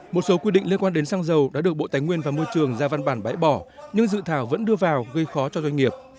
một số quy định liên quan đến xăng dầu đã được bộ tài nguyên và môi trường ra văn bản bãi bỏ nhưng dự thảo vẫn đưa vào gây khó cho doanh nghiệp